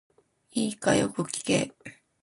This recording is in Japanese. いいか、よく聞け。